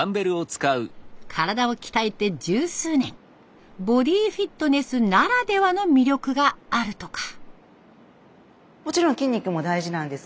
体を鍛えて十数年ボディフィットネスならではの魅力があるとか。